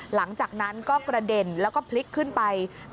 หลังจากนั้นก็กระเด็นแล้วก็พลิกขึ้นไป